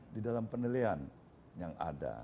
di dalam penilaian yang ada